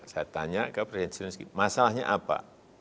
saya tanya ke presiden masalahnya apa